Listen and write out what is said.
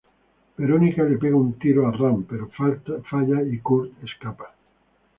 Verónica le pega un tiro a Ram, pero falla y Kurt escapa.